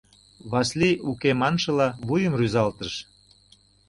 Васлий, «Уке» маншыла, вуйым рӱзалтыш.